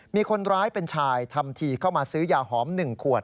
มีคนร้ายเป็นชายทำทีเข้ามาซื้อยาหอม๑ขวด